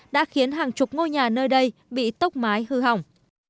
đã khiến hàng chục ngôi nhà nơi đây bị tốc mái hư hỏng